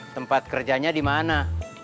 tempat kerjanya di mana